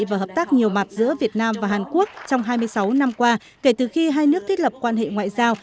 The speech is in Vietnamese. và hợp tác nhiều mặt giữa việt nam và hàn quốc trong hai mươi sáu năm qua kể từ khi hai nước thiết lập quan hệ ngoại giao